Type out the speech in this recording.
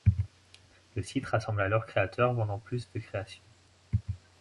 Le site rassemble alors créateurs vendant plus de créations.